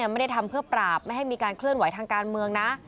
ไม่ได้ทำเพื่อปราบไม่ให้มีการเคลื่อนไหวทางการเมืองนะ